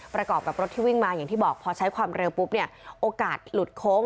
ประกอบกับรถที่วิ่งมาอย่างที่บอกพอใช้ความเร็วปุ๊บเนี่ยโอกาสหลุดโค้ง